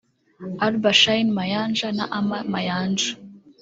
Alba Shyne Mayanja na Amma Mayanja